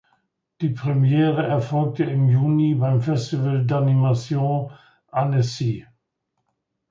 Die Premiere erfolgte im Juni beim Festival d’Animation Annecy.